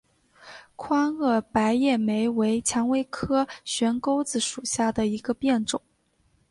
宽萼白叶莓为蔷薇科悬钩子属下的一个变种。